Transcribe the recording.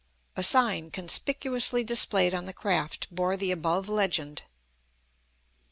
A sign conspicuously displayed on the craft bore the above legend.